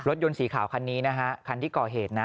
ยนต์สีขาวคันนี้นะฮะคันที่ก่อเหตุนะ